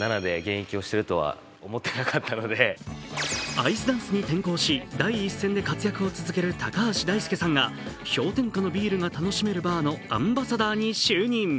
アイスダンスに転向し、第一線で活躍を続ける高橋大輔さんが氷点下のビールが楽しめるバーのアンバサダーに就任。